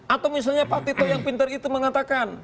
atau misalnya pak tito yang pintar itu mengatakan